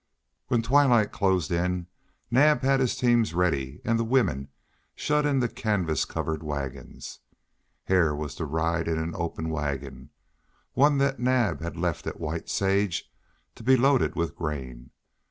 When twilight closed in Naab had his teams ready and the women shut in the canvas covered wagons. Hare was to ride in an open wagon, one that Naab had left at White Sage to be loaded with grain.